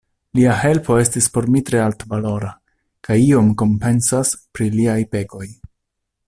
Lia helpo estis por mi tre altvalora, kaj iom kompensas pri liaj pekoj.